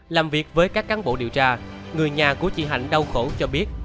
làm việc với các cán bộ điều tra người nhà của chị hạnh đau khổ cho biết